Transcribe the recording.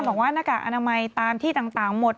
บอกว่าหน้ากากอนามัยตามที่ต่างหมด